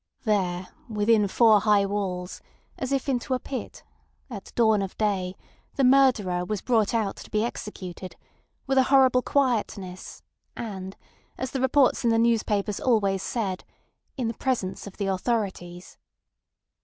There within four high walls, as if into a pit, at dawn of day, the murderer was brought out to be executed, with a horrible quietness and, as the reports in the newspapers always said, "in the presence of the authorities."